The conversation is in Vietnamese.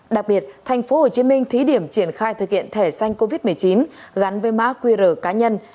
đặc biệt thành phố hồ chí minh thí điểm triển khai thực hiện thẻ xanh covid một mươi chín gắn với má qr cá nhân